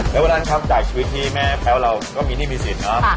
แล้ววันนั้นครับจากชีวิตที่แม่แพ้วเราก็มีหนี้มีสินเนอะ